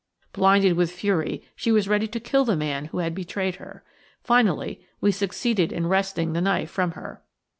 Blinded with fury, she was ready to kill the man who had betrayed her. Finally, we succeeded in wresting the knife from her.